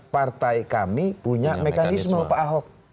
partai kami punya mekanisme pak ahok